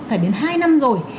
phải đến hai năm rồi